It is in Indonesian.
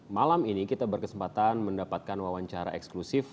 malam ini kita berkesempatan mendapatkan wawancara eksklusif